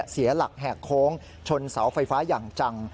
เสียหลักแหกโค้งชนเสาไฟฟ้าอย่างจัง